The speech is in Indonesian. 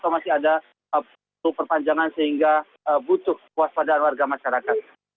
masih ada perpanjangan sehingga butuh kepuas pada warga masyarakat